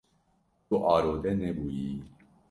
Tu arode nebûyîyî.